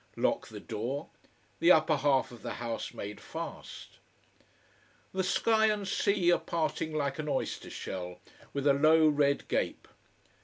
Lock the door: the upper half of the house made fast. The sky and sea are parting like an oyster shell, with a low red gape.